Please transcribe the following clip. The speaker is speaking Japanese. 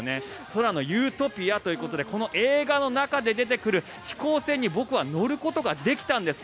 空のユートピアということでこの映画の中で出てくる飛行船に僕は乗ることができたんです。